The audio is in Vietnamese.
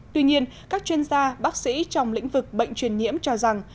tuy nhiên các chuyên gia bác sĩ trong lĩnh vực bệnh truyền nhiễm cho rằng